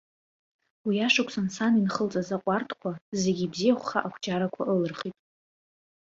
Уи ашықәсан сан инхылҵаз аҟәарҭқәа зегьы ибзиахәха акәҷарақәа ылырхит.